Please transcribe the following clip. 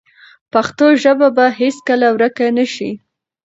پښتو ژبه به هیڅکله ورکه نه شي.